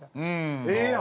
ええやん！